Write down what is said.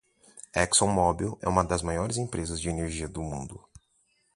ExxonMobil é uma das maiores empresas de energia do mundo.